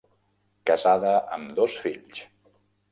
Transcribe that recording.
Casada amb dos fills.